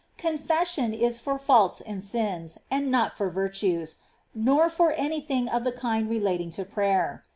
^ 11. Confession is for faults and sins, and not for Sfession. virtues, uor for any thing of the kind relating to prayer.